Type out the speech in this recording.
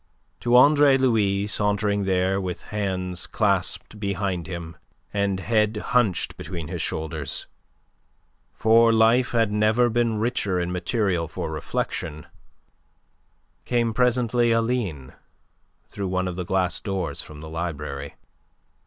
To Andre Louis, sauntering there with hands clasped behind him and head hunched between his shoulders for life had never been richer in material for reflection came presently Aline through one of the glass doors from the library.